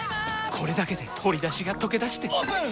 これだけで鶏だしがとけだしてオープン！